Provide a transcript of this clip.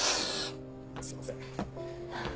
すいません。